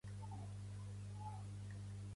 Pertany al moviment independentista la Laya?